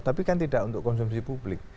tapi kan tidak untuk konsumsi publik